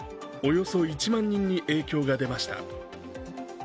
およそ１万人に影響が出ました。